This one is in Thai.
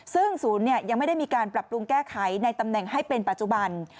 ซึ่งศูนย์ยังไม่ได้มีการปรับปรุงแก้ไขในตำแหน่งให้เป็นปัจจุบัน